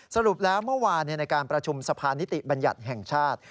สรุปแล้วเมื่อวานในการประชุมสะพานนิติบัญญัติแห่งชาติ